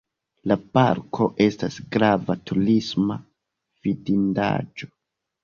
La parko estas grava turisma vidindaĵo.